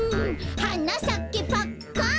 「はなさけパッカン」